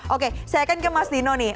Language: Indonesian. oke saya akan ke mas dino nih